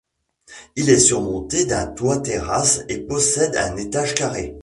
Il est surmonté d'un toit terrasse et possède un étage carré.